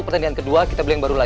saya gak terima